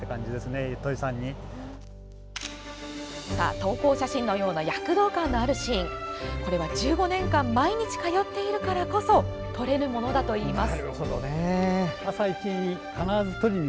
投稿写真のような躍動感のあるシーンは１５年間毎日通っているからこそ撮れるものだといいます。